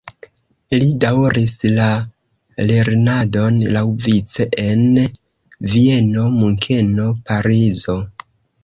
Li daŭris la lernadon laŭvice en Vieno, Munkeno, Parizo.